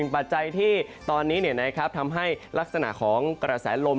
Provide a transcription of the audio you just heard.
ปัจจัยที่ตอนนี้ทำให้ลักษณะของกระแสลม